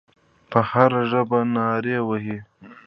په هره ژبه نارې وهي.